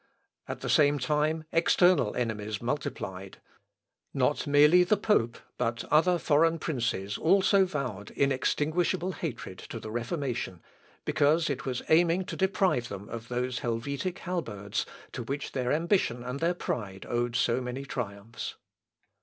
At the same time external enemies multiplied. Not merely the pope but other foreign princes also vowed inextinguishable hatred to the Reformation, because it was aiming to deprive them of those Helvetic halberds, to which their ambition and their pride owed so many triumphs?